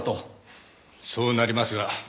そうなりますが。